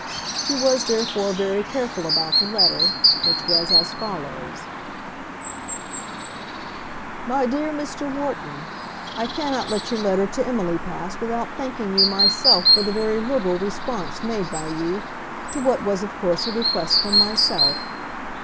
He was therefore very careful about the letter, which was as follows: MY DEAR MR. WHARTON, I cannot let your letter to Emily pass without thanking you myself for the very liberal response made by you to what was of course a request from myself.